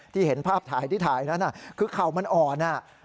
เห็นภาพถ่ายที่ถ่ายนั้นคือเข่ามันอ่อน